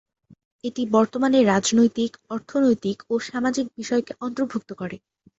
এটি বর্তমানে রাজনৈতিক, অর্থনৈতিক ও সামাজিক বিষয়কে অন্তর্ভুক্ত করে।